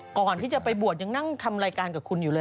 ก่อนที่จะไปบวชยังนั่งทำรายการกับคุณอยู่เลย